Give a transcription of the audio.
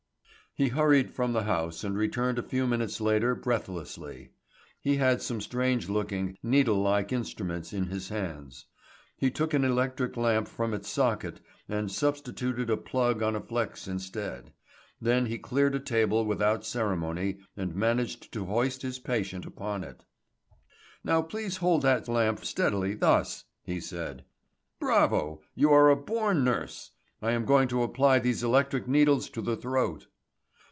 He hurried from the house and returned a few minutes later breathlessly. He had some strange looking, needle like instruments in his hands. He took an electric lamp from its socket and substituted a plug on a flex instead. Then he cleared a table without ceremony and managed to hoist his patient upon it. "Now please hold that lamp steadily thus," he said. "Bravo, you are a born nurse! I am going to apply these electric needles to the throat."